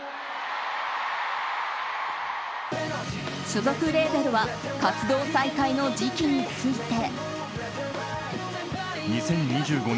所属レーベルは活動再開の時期について。